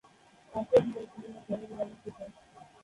কাশিয়ানী উপজেলা সদরে অবস্থিত।